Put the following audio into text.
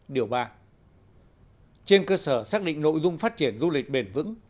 điều ba trên cơ sở xác định nội dung phát triển du lịch bền vững